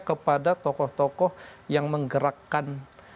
kepada tokoh tokoh yang menggerakkan